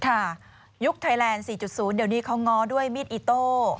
ยุคไทยแลนด์๔๐เดี๋ยวนี้เขาง้อด้วยมีดอิโต้